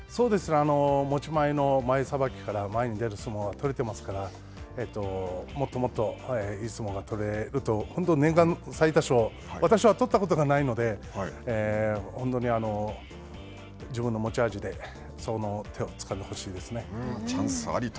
持ち前の前さばきから前に出る相撲が取れていますからもっともっといい相撲が取れると、本当、年間最多勝、私は取ったことがないので、本当に自分の持ち味でつかんでほしいですね。